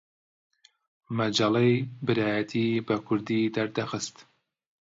مەجەللەی برایەتی بە کوردی دەردەخست